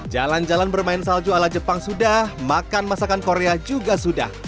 jalan jalan bermain salju ala jepang sudah makan masakan korea juga sudah